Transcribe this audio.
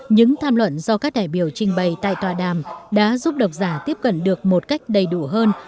những tham luận do các đại biểu trình bày tại tòa đàm đã giúp độc giả tiếp cận được một cách đầy đủ hơn